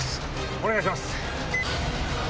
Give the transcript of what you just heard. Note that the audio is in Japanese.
お願いします。